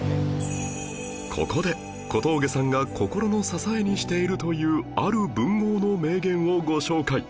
ここで小峠さんが心の支えにしているというある文豪の名言をご紹介